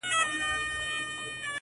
ما ویلي وه چي ته نه سړی کيږې,